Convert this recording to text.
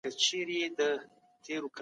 رښتينولي له فريب څخه ډېر ارزښت لري.